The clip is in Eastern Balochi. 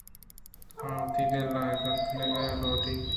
آوتی دل ئیگاں کنگ لوٹ اِت